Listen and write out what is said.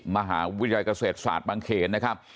มหาวิทยาลัยเกษตรศาสตร์บางเขนนะครับ